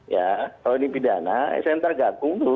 ya kalau ini pidana sentra gakumlu